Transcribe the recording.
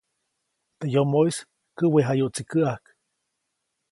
Teʼ yomoʼis käʼwejayuʼtsi käʼäjk.